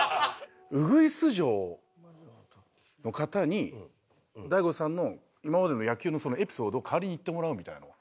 ウグイス嬢の方に大悟さんの今までの野球のエピソードを代わりに言ってもらうみたいなのは？